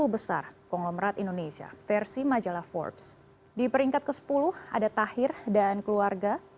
dan di peringkat ke sepuluh ada tahir dan keluarga